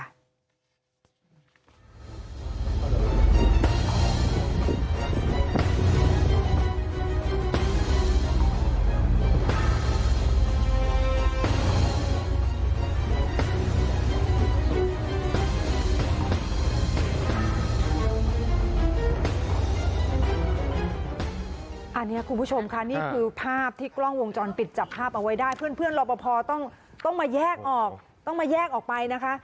อันนี้คุณผู้ชมค่ะนี่คือภาพที่กล้องวงจรปิดจับภาพเอาไว้ได้เพื่อนรอปภต้องมาแยกออกต้องมาแยกออกไปนะคะ